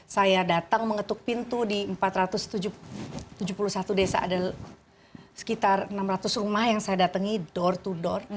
saya datang mengetuk pintu di empat ratus tujuh puluh satu desa ada sekitar enam ratus rumah yang saya datangi door to door